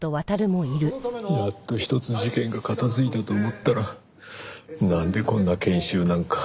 やっと一つ事件が片付いたと思ったらなんでこんな研修なんか。